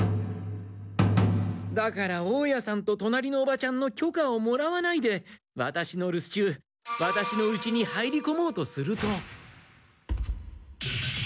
だから大家さんと隣のおばちゃんの許可をもらわないでワタシの留守中ワタシのうちに入りこもうとすると。